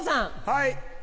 はい。